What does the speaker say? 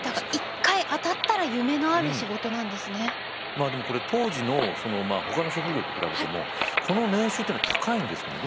まあでもこれ当時のほかの職業と比べてもこの年収っていうのは高いんですかね。